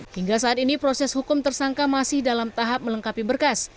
hingga saat ini proses hukum tersangka masih dalam tahap melengkapi berkas